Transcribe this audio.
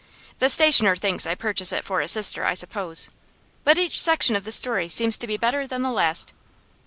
The stationer thinks I purchase it for a sister, I suppose. But each section of the story seems to be better than the last.